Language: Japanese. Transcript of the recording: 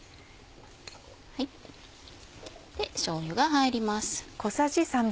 しょうゆが入ります。